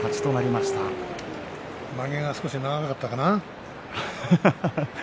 まげが少し長かったかな。